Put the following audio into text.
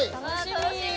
楽しみ。